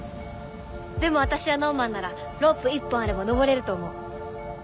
でも私やノーマンならロープ一本あれば登れると思う。